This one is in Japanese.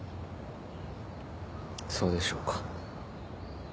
そうでしょうか？